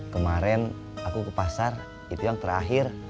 kemarin aku ke pasar itu yang terakhir